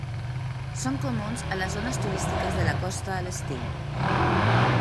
Són comuns a les zones turístiques de la costa a l'estiu.